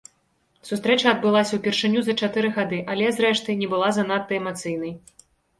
Сустрэча адбылася ўпершыню за чатыры гады, але, зрэшты, не была занадта эмацыйнай.